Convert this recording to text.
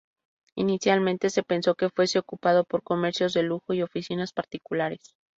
Inicialmente se pensó que fuese ocupado por comercios de lujo y oficinas particulares.